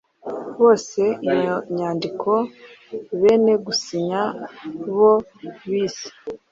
bise iyo nyandiko benegusinya bo bise: